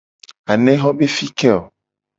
Anexo be fi ke o ?